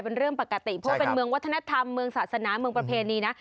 เป็นเรื่องปกติเพราะว่าเป็นเมืองวัฒนธรรมเมืองศาสนาเมืองประเพณีนะ